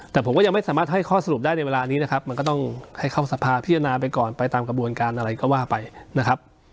แต่ผมก็ยังไม่สามารถให้ข้อสรุปได้ในเวลานี้นะครับมันก็ต้องให้เข้าสภาพิจารณาไปก่อนไปตามกระบวนการอะไรก็ว่าไปนะครับ